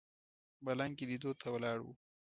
ملنګ یې لیدو ته ولاړ و.